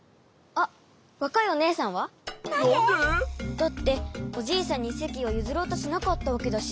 だっておじいさんにせきをゆずろうとしなかったわけだし。